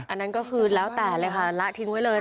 อันนั้นก็คือแล้วแต่เลยค่ะละทิ้งไว้เลย